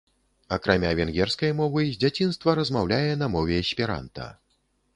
Акрамя венгерскай мовы, з дзяцінства размаўляе на мове эсперанта.